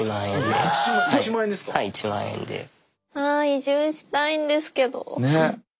あ移住したいんですけど。